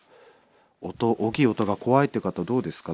大きい音が怖いっていう方どうですか？